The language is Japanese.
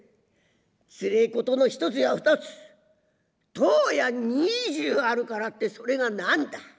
つれえことの一つや二つ十や二十あるからってそれが何だ。